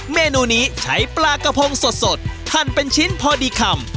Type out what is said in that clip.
เมนูนี้ใช้ปลากระพงสดหั่นเป็นชิ้นพอดีคำ